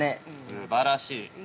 ◆すばらしい。